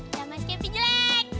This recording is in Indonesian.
jangan masih kepi jelek